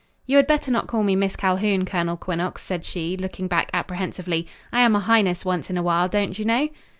"You had better not call me Miss Calhoun, Colonel Quinnox," said she, looking back apprehensively. "I am a highness once in a while, don't you know?"